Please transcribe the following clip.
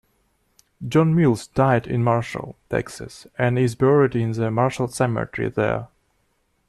John Mills died in Marshall, Texas, and is buried in the Marshall Cemetery there.